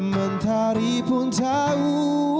mentari pun tahu